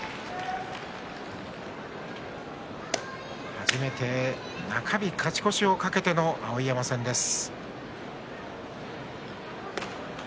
初めて中日勝ち越しを懸けての碧山戦です。